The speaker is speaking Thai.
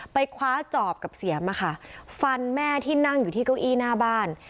คว้าจอบกับเสียมฟันแม่ที่นั่งอยู่ที่เก้าอี้หน้าบ้าน